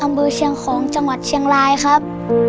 เชียงของจังหวัดเชียงรายครับ